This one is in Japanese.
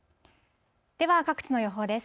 では、各地の予報です。